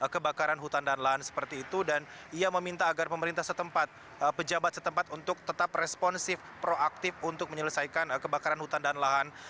kebakaran hutan dan lahan seperti itu dan ia meminta agar pemerintah setempat pejabat setempat untuk tetap responsif proaktif untuk menyelesaikan kebakaran hutan dan lahan